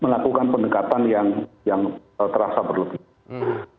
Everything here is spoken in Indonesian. melakukan pendekatan yang terasa berlebihan